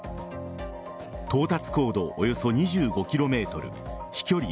到達高度およそ２５ｋｍ飛距離